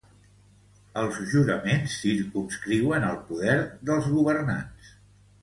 Els juraments circumscriuen el poder dels governants.